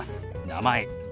「名前」。